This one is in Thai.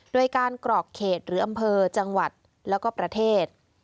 โดยการกรอกเขตหรืออำเภอจังหวัดแล้วก็ประเทศ